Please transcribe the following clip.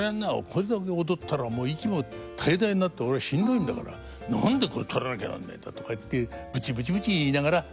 これだけ踊ったら息も絶え絶えになって俺はしんどいんだから何でこれ取らなきゃなんねえんだ」とかってブチブチブチ言いながら取ってくれたんです。